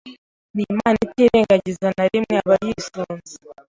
Ni Imana itirengagiza na rimwe abayisunze